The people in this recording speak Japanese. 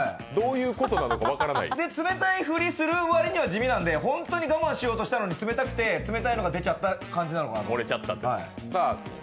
で、冷たいふりするわりには地味なんで本当に我慢しようとしたのに冷たくて、冷たいのが出ちゃった感じなのかなと。